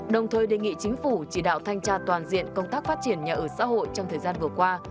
đồng thời đề nghị chính phủ chỉ đạo thanh tra toàn diện công tác phát triển nhà ở xã hội trong thời gian vừa qua